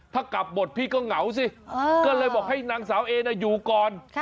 ถ้ากลับหมดพี่ก็เหงาสิก็เลยบอกให้นางสาวเอน่ะอยู่ก่อน